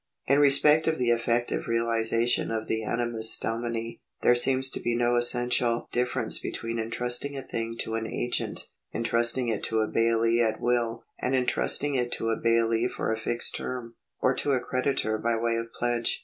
In respect of the effective realisation of the animus domini, there seems to be no essential difference between entrusting a thing to an agent, entrusting it to a bailee at will, and entrusting it to a bailee for a fixed term, or to a creditor by way of pledge.